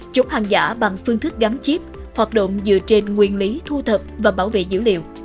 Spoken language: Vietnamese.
chống hàng giả bằng phương thức gắn chip hoạt động dựa trên nguyên lý thu thập và bảo vệ dữ liệu